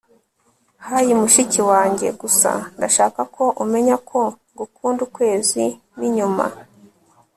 hey, mushiki wanjye. gusa ndashaka ko umenya ko ngukunda ukwezi n'inyuma